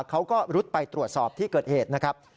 เขาก็รุดไปตรวจสอบที่เกิดเหตุนะครับ